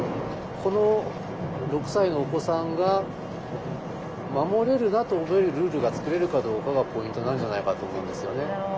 この６歳のお子さんが守れるなと思えるルールが作れるかどうかがポイントなんじゃないかと思うんですよね。